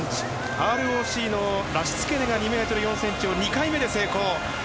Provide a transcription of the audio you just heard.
ＲＯＣのラシツケネが２ｍ４ｃｍを２回目で成功。